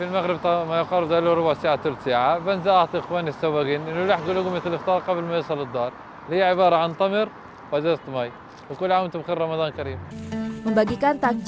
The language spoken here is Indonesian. membagikan takjil mulia